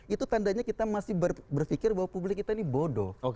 itu tandanya kita masih berpikir bahwa publik kita ini bodoh